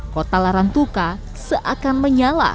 kota larang tuka akan diikuti dengan prosesi mengelilingi kota larang tuka